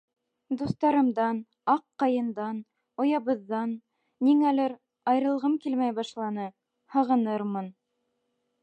— Дуҫтарымдан, аҡ ҡайындан, оябыҙҙан, ниңәлер, айырылғым килмәй башланы, һағынырмын...